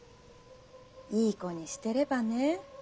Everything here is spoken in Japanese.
いい子にしてればね。